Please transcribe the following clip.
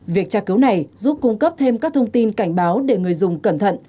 việc tra cứu này giúp cung cấp thêm các thông tin cảnh báo để người dùng cẩn thận